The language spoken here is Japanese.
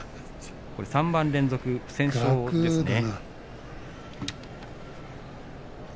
３番連続、不戦勝ですね。